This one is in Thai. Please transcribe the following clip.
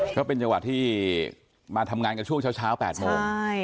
ก็เป็นจังหวะที่มาทำงานกันช่วงเช้า๘โมง